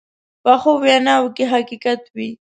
پخو ویناوو کې حقیقت وي